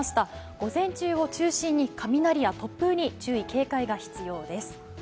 午前中を中心に雷や突風に注意、警戒が必要です。